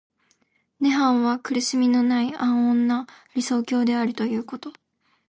涅槃は苦しみのない安穏な理想郷であるということ。